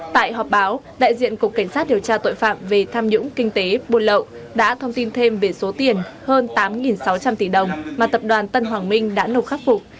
tại họp báo đại diện cục cảnh sát điều tra tội phạm về tham nhũng kinh tế buôn lậu đã thông tin thêm về số tiền hơn tám sáu trăm linh tỷ đồng mà tập đoàn tân hoàng minh đã nộp khắc phục